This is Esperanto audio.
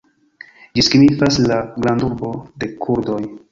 Ĝi signifas: la "grandurbo de kurdoj".